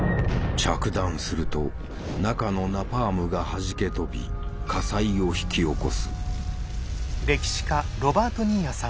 着弾すると中のナパームがはじけ飛び火災を引き起こす。